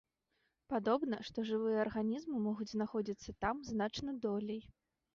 Падобна, што жывыя арганізмы могуць знаходзіцца там значна долей.